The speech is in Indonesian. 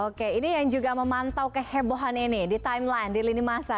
oke ini yang juga memantau kehebohan ini di timeline di lini masa